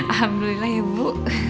alhamdulillah ya bu